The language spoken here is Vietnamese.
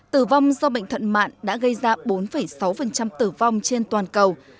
tử vong do bệnh thận mạng đã gây ra bốn sáu tử vong trên toàn cầu